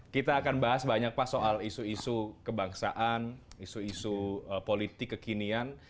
kita akan bahas banyak pak soal isu isu kebangsaan isu isu politik kekinian